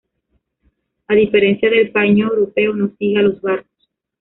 A diferencia del paíño europeo, no sigue a los barcos.